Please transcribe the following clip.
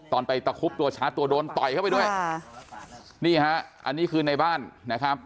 ตอนไปตะคุบตัวชาร์จตัวโดนต่อยเข้าไปด้วยค่ะนี่ฮะอันนี้คือในบ้านนะครับ